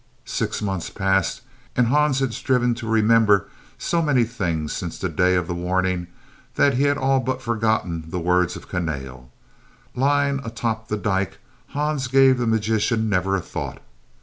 Six months passed and Hans had striven to remember so many things since the day of the warning that he had all but forgotten the words of Kahnale. Lying atop the dyke, Hans gave the magician never a thought.